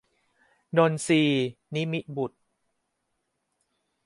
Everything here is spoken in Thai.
นนทรีย์ นิมิบุตร